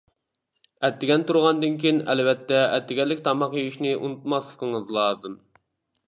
ئەتىگەن تۇرغاندىن كېيىن ئەلۋەتتە ئەتىگەنلىك تاماق يېيىشنى ئۇنتۇماسلىقىڭىز لازىم.